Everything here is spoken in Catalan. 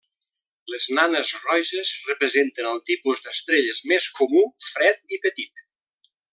Les nanes roges representen el tipus d'estrelles més comú, fred i petit.